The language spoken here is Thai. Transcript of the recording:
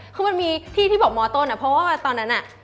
คือมันมีที่ที่บอกมต้นเพราะว่าตอนนั้นน่ะ